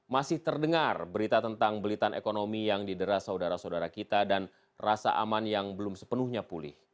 masih terdengar berita tentang belitan ekonomi yang didera saudara saudara kita dan rasa aman yang belum sepenuhnya pulih